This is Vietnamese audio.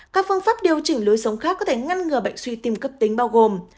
các phương pháp điều chỉnh lối sống khác có thể ngăn ngừa bệnh suy tim cấp tính bao gồm